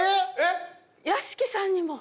屋敷さんにも。